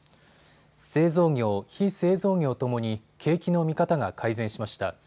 製造業、非製造業ともに景気の見方が改善しました。